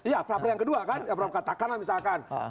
ya pra pra yang kedua katakanlah misalkan